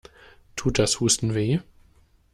Tut das Husten weh?